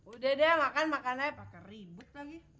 udah deh makan makan aja pake ribut lagi